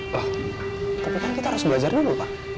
wah tapi kan kita harus belajar dulu pak